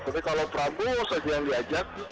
tapi kalau prabowo saja yang diajak